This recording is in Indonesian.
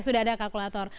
sudah ada kalkulator